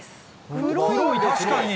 黒い、確かに。